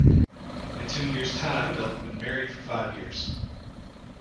In two years time, they will have been married for five years.